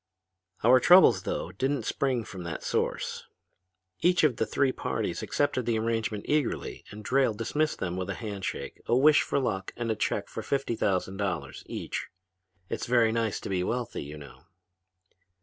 "Our troubles, though, didn't spring from that source. Each of the three parties accepted the arrangement eagerly and Drayle dismissed them with a hand shake, a wish for luck and a check for fifty thousand dollars each. It's very nice to be wealthy, you know.